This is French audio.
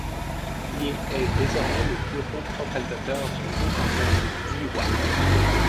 Die est désormais le bureau centralisateur du nouveau canton du Diois.